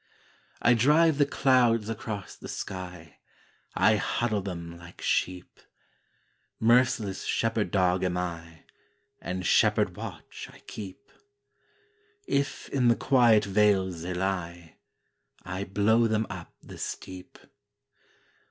I drive the clouds across the sky, I huddle them like sheep; Merciless shepherd dog am I And shepherd watch I keep. If in the quiet vales they lie I blow them up the steep.